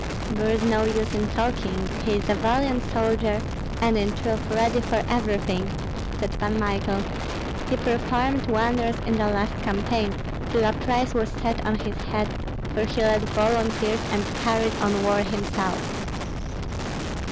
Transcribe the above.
"There is no use in talking, he is a valiant soldier, and in truth ready for everything," said Pan Michael. "He performed wonders in the last campaign, till a price was set on his head, for he led volunteers and carried on war himself."